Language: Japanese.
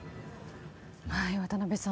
渡辺さん